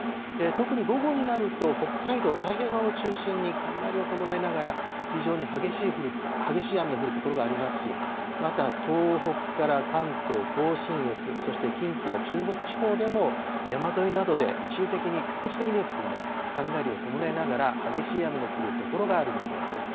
特に午後になると北海道、太平洋側を中心に雷を伴いながら、非常に激しい雨の降る所がありますし、また、東北から関東甲信越、そして近畿や中国地方でも、山沿いなどで、一時的に局地的にですけれども、雷を伴いながら激しい雨の降る所がある見込みです。